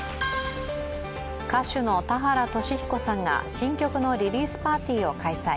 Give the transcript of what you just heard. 歌手の田原俊彦さんが新曲のリリースパーティーを開催。